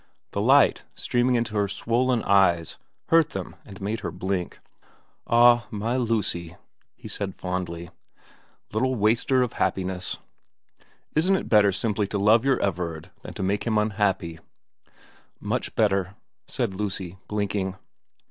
The light, streaming into her swollen eyes, hurt them and made her blink. * Ah, my Lucy,' he said fondly, * little waster of happiness isn't it better simply to love your Everard than make him unhappy ?'' Much better,' said Lucy, blinking.